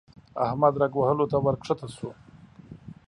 احمد رګ وهلو ته ورکښته شو.